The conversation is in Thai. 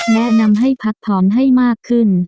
แนะนำให้พักผ่อนให้มากขึ้น